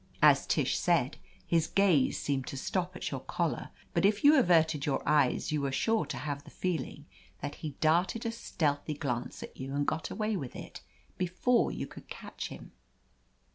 As Tish said, his gaze seemed to stop at your collar, but if you averted your eyes you were sure to have the feeling that he'd darted a stealthy glance at you and got away with it before you could catch him.